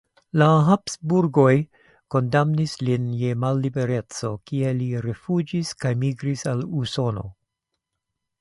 La Habsburgoj kondamnis lin je mallibereco, kie li rifuĝis kaj migris al Usono.